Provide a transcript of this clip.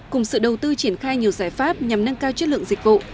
cùng sự đầu tư triển khai nhiều giải pháp nhằm nâng cao chất lượng dịch vụ